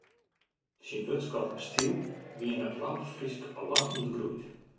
Syn wurdskat en styl wiene it lampefrysk allang ûntgroeid.